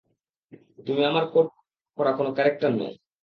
তুমি আমার কোড করা কোনো ক্যারেক্টার নও!